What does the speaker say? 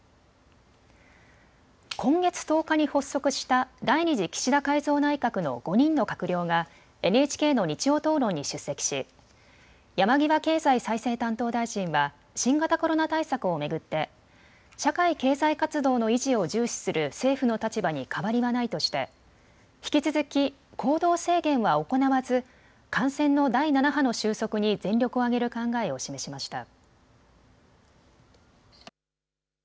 今月１０日に発足した第２次岸田改造内閣の５人の閣僚がＮＨＫの日曜討論に出席し山際経済再生担当大臣は新型コロナ対策を巡って社会経済活動の維持を重視する政府の立場に変わりはないとして引き続き行動制限は行わず感染の第７波の収束に全力を挙げる考えを示しました。